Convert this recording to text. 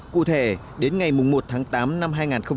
cụ thể đến ngày một tháng tám năm hai nghìn một mươi tám